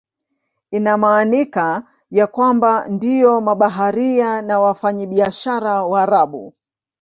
Inaaminika ya kwamba ndio mabaharia na wafanyabiashara Waarabu.